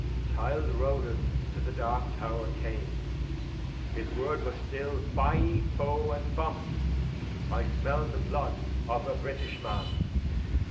Edg. Child Rowland to the dark tower came; His word was still Fie, foh, and fum! I smell the blood of a British man.